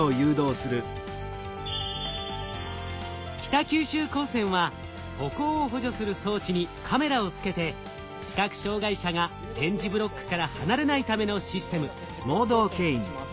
北九州高専は歩行を補助する装置にカメラをつけて視覚障害者が点字ブロックから離れないためのシステム。